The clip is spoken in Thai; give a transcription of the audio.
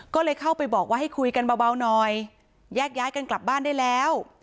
ก็เลยเข้าไปบอกว่าให้คุยกันเบาหน่อยแยกย้ายกันกลับบ้านได้แล้ว